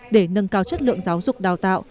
để nâng cao chất lượng giáo dục đào tạo